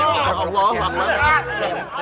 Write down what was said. ya allah bangga banget